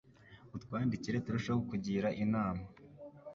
utwandikire turusheho kukugira inama.